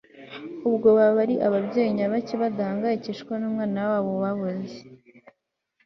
ubwo baba ari ababyeyi nyabaki badahangayikishwa numwana wabo wabuze!